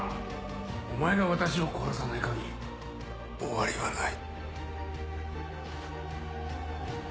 お前が私を殺さない限り終わりはない。